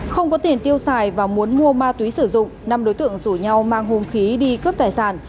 không có tiền tiêu xài và muốn mua ma túy sử dụng năm đối tượng rủ nhau mang hùng khí đi cướp tài sản